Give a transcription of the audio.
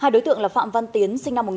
hai đối tượng là phạm văn tiến